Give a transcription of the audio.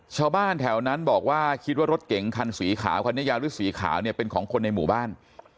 ชาวบ้านแถวนั้นบอกว่าคิดว่ารถเก๋งคันสีขาวคันนี้ยาวหรือสีขาวเนี่ยเป็นของคนในหมู่บ้าน